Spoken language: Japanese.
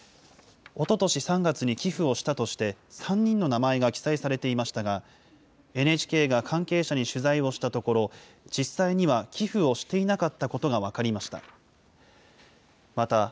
おととし３月に寄付をしたとして、３人の名前が記載されていましたが、ＮＨＫが関係者に取材をしたところ、実際には寄付をしていなかったことが分かりました。